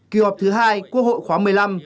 kỳ họp thứ hai quốc hội khóa một mươi năm